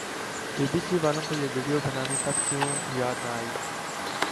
be B C والوں کو یہ وڈیو بنانی تب کیوں یاد نہ آئی